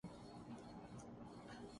حادثے کی وجہ سامنے آگئی